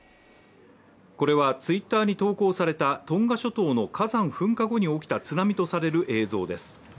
これはＴｗｉｔｔｅｒに投稿されたトンガ諸島の火山噴火後に起きた津波とされる映像です。